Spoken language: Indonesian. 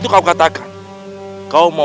tidak ada apa apa